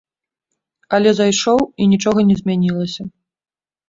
Але зайшоў, і нічога не змянілася!